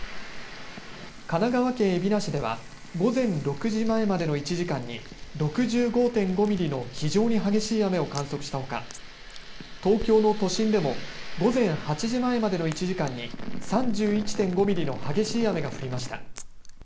神奈川県海老名市では午前６時前までの１時間に６５．５ミリの非常に激しい雨を観測したほか東京の都心でも午前８時前までの１時間に３１．５ミリの激しい雨が降りました。